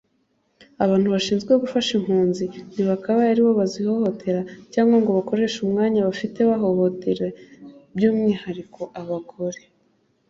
Abantu bashinzwe gufasha impunzi ntibakabaye ari bo bazihohotera cyangwa ngo bakoreshe umwanya bafite babahohotere by’umwihariko abagore